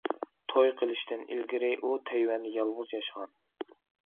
توي قىلىشتىن ئىلگىرى ئۇ تەيۋەندە يالغۇز ياشىغان.